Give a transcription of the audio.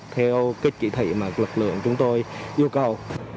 theo kỹ thị mà lực lượng chúng tôi yêu cầu